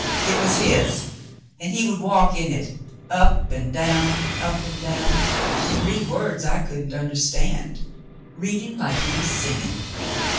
It was his, and he would walk in it, up and down, up and down, and read words I couldn't understand, reading Hke he was singing.